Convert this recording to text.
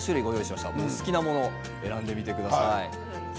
お好きなものを選んでください。